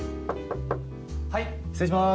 はい失礼しまーす